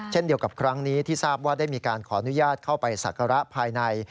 เช่นเดียวกับครั้งนี้ที่ทราบว่าได้มีการขออนุญาตเข้าไปศักระภายใน